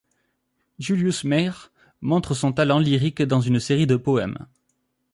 Julius Mayr montre son talent lyrique dans une série de poèmes.